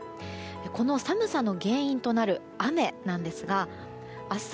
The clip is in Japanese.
この寒さの原因となる雨なんですが明日